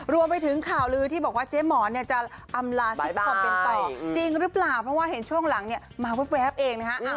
รวมไปถึงข่าวลือที่บอกว่าเจ๊หมอนเนี่ยจะอำลาสิ้นความเป็นต่อจริงหรือเปล่าเพราะว่าเห็นช่วงหลังเนี่ยมาแว๊บเองนะฮะ